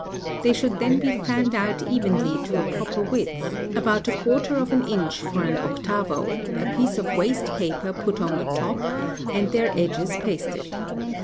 They should then be fanned out evenly to a proper width, about a quarter of an inch for an 8vo., a piece of waste paper put on the top, and their edges pasted.